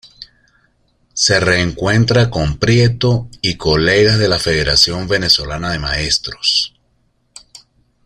Se reencuentra con Prieto y colegas de la Federación Venezolana de Maestros.